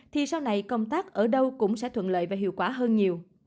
thì sau này công tác ở đâu cũng sẽ thuận lợi và hiệu quả hơn nhiều